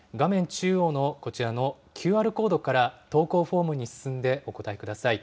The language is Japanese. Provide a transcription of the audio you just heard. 中央のこちらのＱＲコードから投稿フォームに進んで、お答えください。